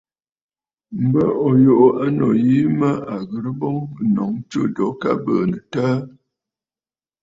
M̀bə ò yuʼù ànnù yìi mə à ghɨ̀rə ǹnǒŋ ɨtû jo ɨ bɨɨnə̀ ǹtəə.